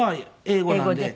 英語で。